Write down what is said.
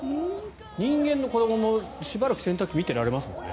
人間の子どももしばらく洗濯機を見てられますよね。